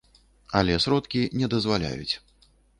Але сродкі не дазваляюць.